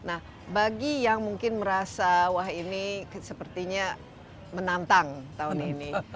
nah bagi yang mungkin merasa wah ini sepertinya menantang tahun ini